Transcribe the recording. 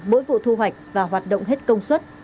mỗi vụ thu hoạch và hoạt động hết công suất